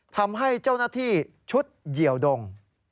ทำให้เจ้าหน้าที่ชุดเหี่ยวดง